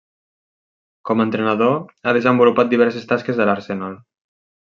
Com entrenador ha desenvolupat diverses tasques a l'Arsenal.